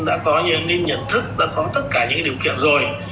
đã có những nhận thức đã có tất cả những điều kiện rồi